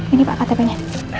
ini pak ktp nya